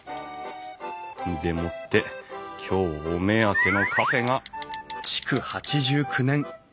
んでもって今日お目当てのカフェが。